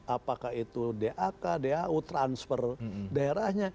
apakah itu dak dau transfer daerahnya